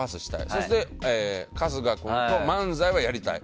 そして春日君と漫才をやりたい。